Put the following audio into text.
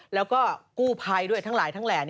แล้วก็กู้ภัยด้วยทั้งหลายทั้งแหล่